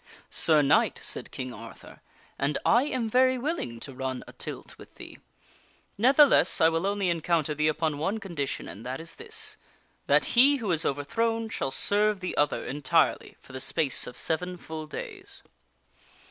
" Sir Knight," said King Arthur, " and I am very willing to run a tilt with thee. Ne'theless, I will only encounter thee upon one condition, and that is this : that he who is overthrown shall serve the other entirely for the space of seven full days."